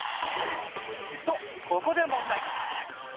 とここで問題